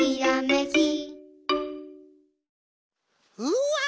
うわ！